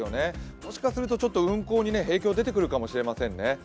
もしかすると運航に影響が出てくるかもしれませんね。